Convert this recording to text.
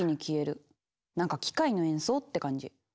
なんか機械の演奏って感じ。